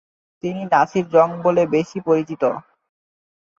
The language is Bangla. তিনি নাসির জং বলে বেশি পরিচিত।